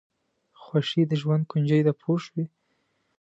خوښي د ژوند کونجي ده پوه شوې!.